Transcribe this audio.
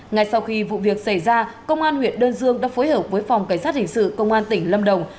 ngay sau khi vụ việc xảy ra công an huyện đơn dương đã phối hợp với phòng cảnh sát hình sự công an tỉnh lâm đồng